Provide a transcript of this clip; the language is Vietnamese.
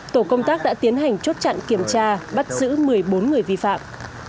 tổ công tác đã tiến hành chốt chặn kiểm tra bắt giữ một mươi bốn người vi phạm